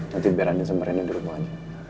nanti biar andi sama rena di rumah aja